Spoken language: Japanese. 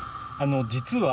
実は。